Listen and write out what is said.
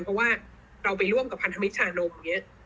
เพราะว่าเราไปร่วมกับพันธมิตรธานม